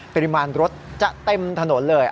ปริมาณรถจะเต็มถนนเลย